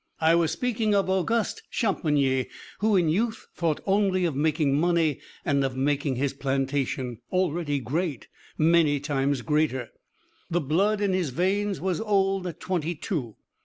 I was speaking of Auguste Champigny, who in youth thought only of making money and of making his plantation, already great, many times greater. The blood in his veins was old at twenty two.